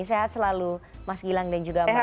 sehat selalu mas gilang dan juga mbak